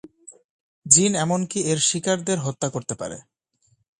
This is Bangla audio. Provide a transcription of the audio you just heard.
জিন এমনকি এর শিকারদের হত্যা করতে পারে।